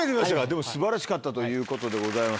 でも素晴らしかったということでございます。